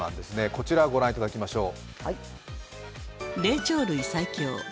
こちらご覧いただきましょう。